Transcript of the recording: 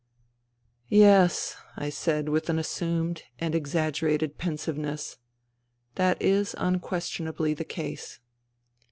" Yes," said I with an assumed and exaggerated pensiveness, " that is unquestionably the case."